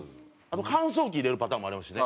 あと乾燥機入れるパターンもありますしね。